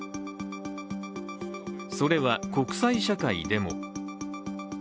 それは国際社会でも。